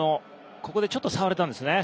ここでちょっと触れたんですね